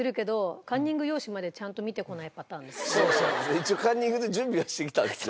一応カンニングの準備はしてきたんですね。